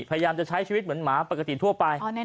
พยายามจะใช้ชีวิตเหมือนหมาปกติทั่วไป